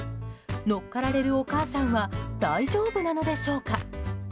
乗っかられるお母さんは大丈夫なのでしょうか。